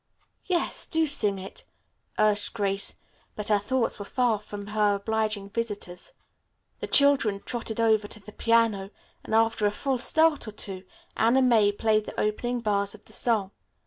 "Yes, do sing it," urged Grace, but her thoughts were far from her obliging visitors. The children trotted over to the piano, and after a false start or two, Anna May played the opening bars of the song.